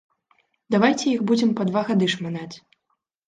Давайце іх будзем па два гады шманаць.